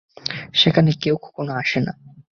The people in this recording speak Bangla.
সেখানে কেউ কখনো আসে না।